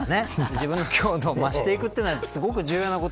自分の強度を増していくというのはすごく重要なこと。